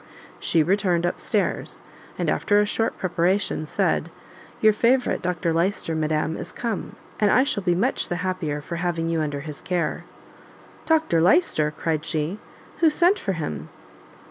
She returned up stairs, and after a short preparation, said, "Your favourite Dr Lyster, madam, is come, and I shall be much the happier for having you under his care." "Dr Lyster?" cried she, "who sent for him?"